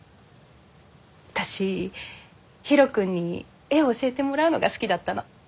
私ヒロ君に絵を教えてもらうのが好きだったの。